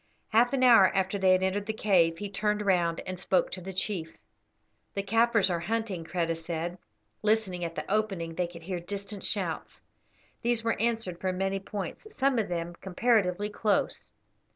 Half an hour after they had entered the cave he turned round and spoke to the chief. "The Kaffirs are hunting," Kreta said. Listening at the opening they could hear distant shouts. These were answered from many points, some of them comparatively close.